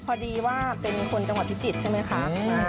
พอดีว่าเป็นคนจังหวัดพิจิตรใช่ไหมคะ